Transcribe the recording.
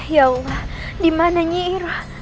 ya allah dimana nyiiroh